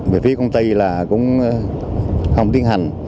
về phía công ty là cũng không tiến hành